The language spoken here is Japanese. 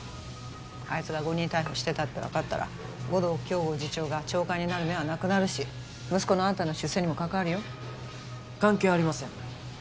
あいつが誤認逮捕してたって分かったら護道京吾次長が長官になる目はなくなるし息子のあんたの出世にも関わるよ関係ありません